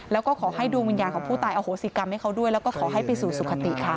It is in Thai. แล้วก็ขอให้ดวงวิญญาณของผู้ตายอโหสิกรรมให้เขาด้วยแล้วก็ขอให้ไปสู่สุขติค่ะ